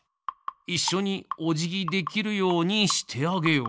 いっしょにおじぎできるようにしてあげよう。